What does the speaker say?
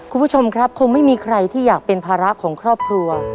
คุณผู้ชมครับคงไม่มีใครที่อยากเป็นภาระของครอบครัว